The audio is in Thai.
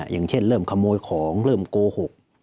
อย่างเช่นเริ่มขโมยของเริ่มโกหก